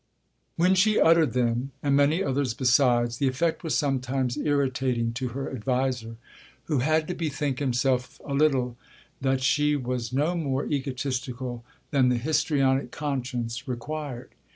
When she uttered them, and many others besides, the effect was sometimes irritating to her adviser, who had to bethink himself a little that she was no more egotistical than the histrionic conscience required.